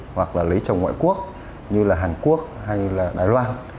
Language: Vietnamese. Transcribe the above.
hoặc là lấy chồng ngoại quốc như là hàn quốc hay là đài loan